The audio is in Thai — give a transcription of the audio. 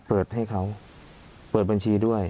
เปิดให้เขาเปิดบัญชีด้วย